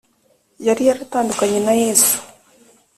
Yari yaratandukanye na Yesu